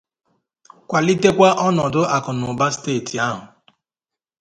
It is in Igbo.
kwàlitekwa ọnọdụ akụnụba steeti ahụ